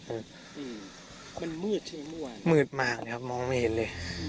โอ้โหมันมืดใช่ไหมมืดมากนะครับมองไม่เห็นเลย